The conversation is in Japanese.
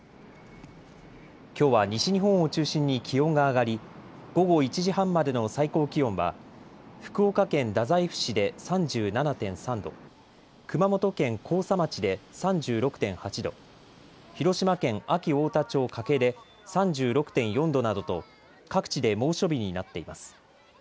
きょうは西日本を中心に気温が上がり午後１時半までの最高気温は福岡県太宰府市で３７．３度、熊本県甲佐町で３６．８度、広島県安芸太田町加計で３６．４度などと各地で猛暑日になっています。